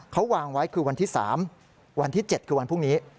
เขาวางไว้คือวันที่๓วันที่๗คือวันพรุ่งนี้